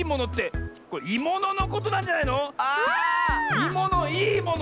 いものいいもの！